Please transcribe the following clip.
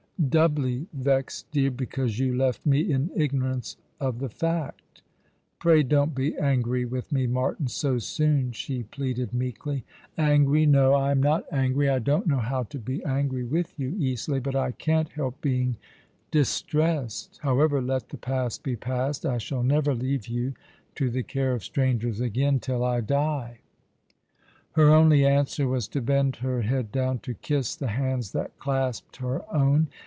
" Doubly vexocl, dear, because you left me in ignorance of the fact." "Pray don't be angry with me, Martin, so soon," she pleaded meekly. " Angry, no. I am not angry. I don't know how to be angry with you, Isola ; but I can't help being distressed. However, let the past be past. I shall never leave you to the care of strangers again till I die." Her only answer was to bend her head down to kiss the hands that clasped her own.